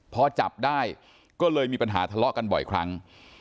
พอจับได้ก็เลยมีปัญหาทะเลาะกันบ่อยครั้ง